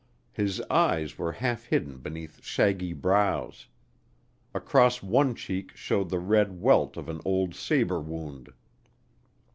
His eyes were half hidden beneath shaggy brows. Across one cheek showed the red welt of an old sabre wound.